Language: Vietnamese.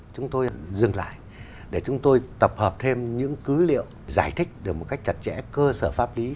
chúng tôi dừng lại để chúng tôi tập hợp thêm những cứ liệu giải thích được một cách chặt chẽ cơ sở pháp lý